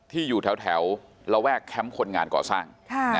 ที่อยู่แถวระแวกแคมป์คนงานก่อสร้าง